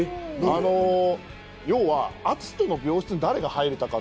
要は篤斗の病室に誰が入ったか。